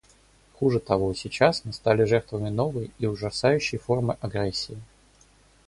Хуже того — сейчас мы стали жертвами новой и ужасающей формы агрессии.